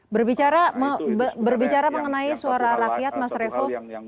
berbicara mengenai suara rakyat mas revo